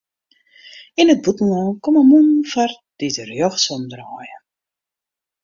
Yn it bûtenlân komme mûnen foar dy't rjochtsom draaie.